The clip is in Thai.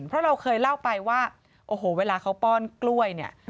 เพราะเราเคยเล่าไปว่าโอ้โหเวลาเขาป้อนกล้วยเนี่ย